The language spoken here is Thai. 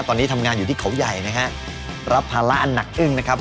ตอนนี้ทำงานอยู่ที่เขาใหญ่นะฮะรับภาระอันหนักอึ้งนะครับ